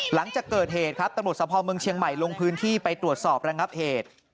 หลังจากเกิดเหตุครับตำรวจสภเมืองเชียงใหม่ลงพื้นที่ไปตรวจสอบระงับเหตุ